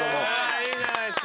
いいじゃないっすか。